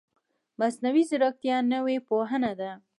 مصنوعي ځیرکتیا نوې پوهنه ده